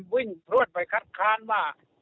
วิ่งรวดไปคัดค้านว่า